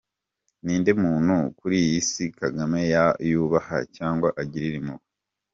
Ninde muntu kuri iyi se kagame yubaha cyangwa agirira impuhwe?